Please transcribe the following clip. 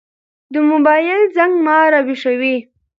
د موبايل زنګ ما راويښوي.